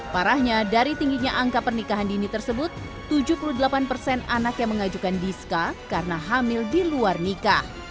parahnya dari tingginya angka pernikahan dini tersebut tujuh puluh delapan persen anak yang mengajukan diska karena hamil di luar nikah